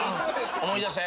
思い出せ。